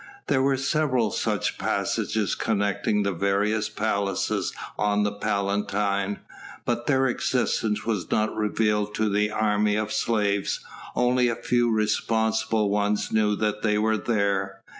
There were several such passages connecting the various palaces on the Palatine, but their existence was not revealed to the army of slaves, only a few responsible ones knew that they were there.